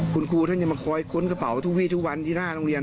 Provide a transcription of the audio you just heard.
คุณครูท่านจะมาคอยค้นกระเป๋าทุกวีทุกวันที่หน้าโรงเรียน